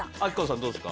どうですか？